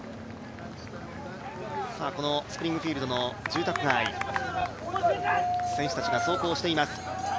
スプリングフィールドの住宅街選手たちが走行しています。